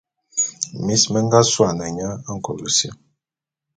Mis me nga suane nye Nkok-Esil.